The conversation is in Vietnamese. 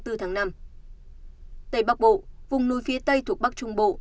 tây bắc bộ vùng núi phía tây thuộc bắc trung bộ